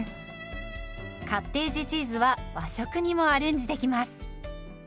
カッテージチーズは和食にもアレンジできます。